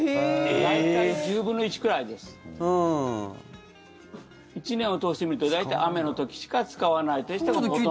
大体１０分の１くらいです。１年を通してみると大体、雨の時しか使わないという人がほとんどなんですね。